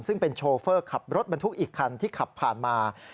ซึ่งเป็นโชเฟอร์ขับรถบรรทุกอีกคันที่ขับผ่านมา